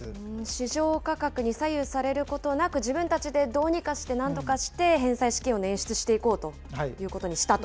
市場価格に左右されることなく、自分たちでどうにかして、なんとかして返済資金をねん出していこうということにしたと。